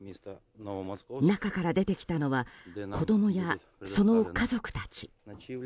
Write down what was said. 中から出てきたのは子供や、その家族たち。